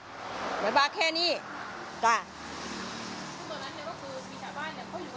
คือตอนนั้นเห็นว่าคือมีชาวบ้านเขาอยู่กันเต็มเลย